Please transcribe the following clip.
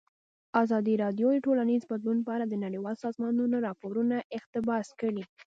ازادي راډیو د ټولنیز بدلون په اړه د نړیوالو سازمانونو راپورونه اقتباس کړي.